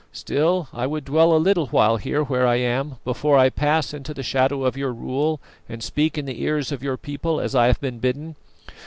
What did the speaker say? Still, I would dwell a little while here where I am before I pass into the shadow of your rule and speak in the ears of your people as I have been bidden.